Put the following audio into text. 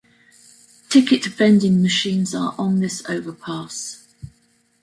Ticket vending machines are on this overpass.